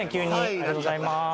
ありがとうございます。